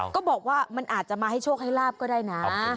ก็บอกว่ามันอาจจะมาให้โชคให้ลาบก็ได้นะ